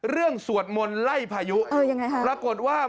เรื่องสวดมนต์ไล่พายุปรากฏว่า